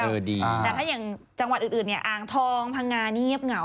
แต่ถ้าอย่างจังหวัดอื่นเนี่ยอ่างทองพังงานี่เงียบเหงา